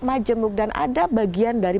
majemuk dan ada bagian dari